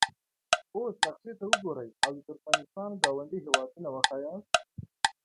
اوس نقشې ته وګورئ او د ترکمنستان ګاونډي هیوادونه وښایاست.